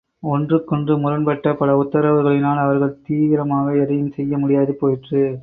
ஒன்றுக் கொன்று முரண்பட்ட பல உத்தரவுகளினால் அவர்கள் தீவிரமாக எதையும் செய்ய முடியாது போயிற்று.